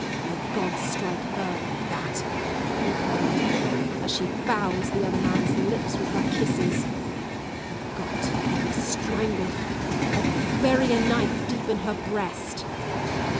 " May God strike her like that," he prayed," " as she fouls the other man's lips with her kisses. O God! let me strangle her. Or bury a knife deep in her breast."